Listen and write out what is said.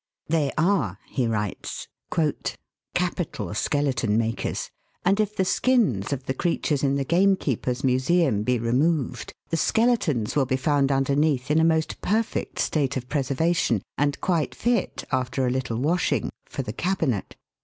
They are," he writes, " capital skeleton makers, and if the skins of the creatures in the gamekeeper's museum Fig. 44. SKIN EATKKS. be removed, the skeletons will be found underneath in a most perfect state of preservation, and quite fit, after a little washing, for the cabinet.